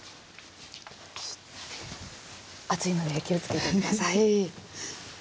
熱いので気をつけて下さい。